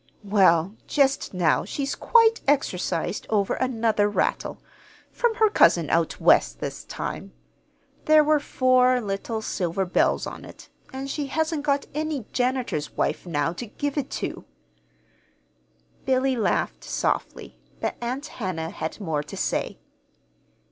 "Well, just now she's quite exercised over another rattle from her cousin out West, this time. There were four little silver bells on it, and she hasn't got any janitor's wife now to give it to." Billy laughed softly, but Aunt Hannah had more to say.